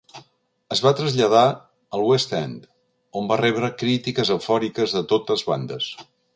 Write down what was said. Es va traslladar al West End, on va rebre crítiques eufòriques de totes bandes.